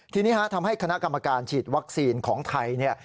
ทีนี้ทำให้คณะกรรมการฉีดวัคซีนของไทยเนี่ย